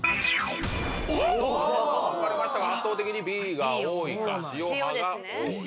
分かれましたが圧倒的にＢが多いか塩派が多い。